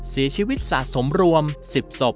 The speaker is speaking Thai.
เสียชีวิตสะสมรวม๑๐ศพ